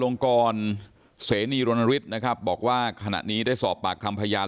ลงกรเสนีรณฤทธิ์นะครับบอกว่าขณะนี้ได้สอบปากคำพยาน